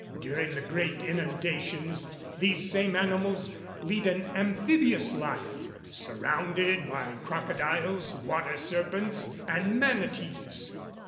During the great inundations, these same animals lead an amphibious life, surrounded by crocodiles water serpents, and manatees.